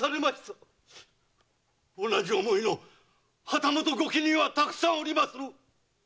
〔同じ思いの旗本御家人はたくさんおりまする！〕